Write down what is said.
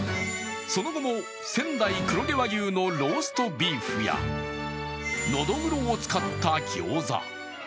その後も、仙台黒毛和牛のローストビーフやのどぐろを使った餃子。